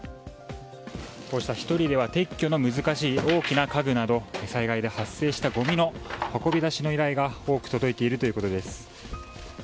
１人では撤去の難しい大きな家具など災害で発生したごみの運び出しの依頼が多く届いているということです。